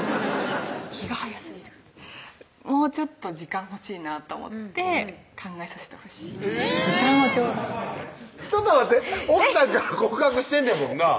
気が早すぎるもうちょっと時間欲しいなと思って「考えさせてほしい時間を頂戴」ってちょっと待って奥さんから告白してんねんもんな